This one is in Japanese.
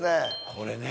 これね！